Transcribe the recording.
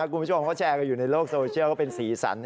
คุณผู้ชมเขาแชร์กันอยู่ในโลกโซเชียลก็เป็นสีสัน